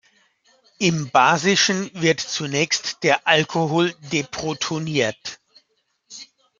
Im Basischen wird zunächst der Alkohol deprotoniert.